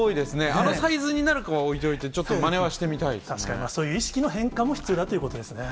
あのサイズになるのは、確かに、そういう意識の変化も必要だということですね。